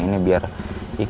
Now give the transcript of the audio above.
ini kam ebay